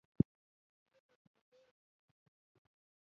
زړه د تودو احساساتو کور دی.